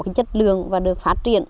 cái chất lượng và được phát triển